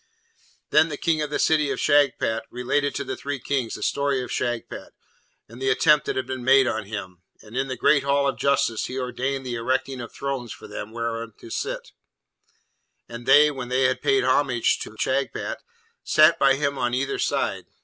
Then the King of the City of Shagpat related to the three Kings the story of Shagpat and the attempt that had been made on him; and in the great Hall of Justice he ordained the erecting of thrones for them whereon to sit; and they, when they had paid homage to Shagpat, sat by him there on either side.